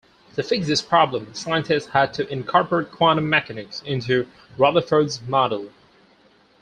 To fix this problem, scientists had to incorporate quantum mechanics into Rutherford's model.